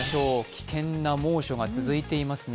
危険な猛暑が続いていますね。